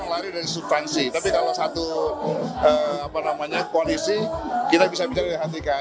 lari dari substansi tapi kalau satu apa namanya kondisi kita bisa bicara